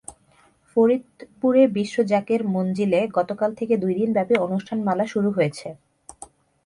ফরিদপুরে বিশ্ব জাকের মঞ্জিলে গতকাল থেকে দুই দিনব্যাপী অনুষ্ঠানমালা শুরু হয়েছে।